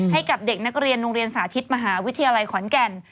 ให้กับเด็กนักเรียนโรงเรียนสาธิตมหาวิทยาลัยขอนแก่น